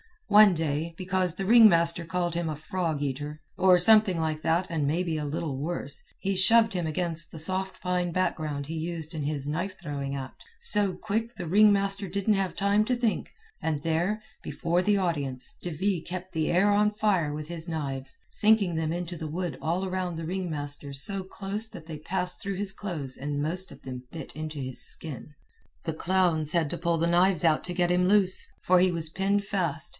One day, because the ring master called him a frog eater, or something like that and maybe a little worse, he shoved him against the soft pine background he used in his knife throwing act, so quick the ring master didn't have time to think, and there, before the audience, De Ville kept the air on fire with his knives, sinking them into the wood all around the ring master so close that they passed through his clothes and most of them bit into his skin. "The clowns had to pull the knives out to get him loose, for he was pinned fast.